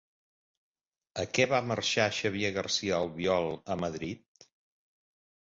A què va marxar Xavier Garcia Albiol a Madrid?